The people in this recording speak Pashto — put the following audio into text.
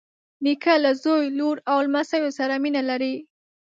نیکه له زوی، لور او لمسیو سره مینه لري.